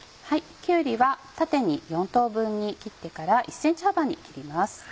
きゅうりは縦に４等分に切ってから１ｃｍ幅に切ります。